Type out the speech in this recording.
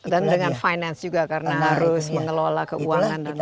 dan dengan finance juga karena harus mengelola keuangan dan lain sebagainya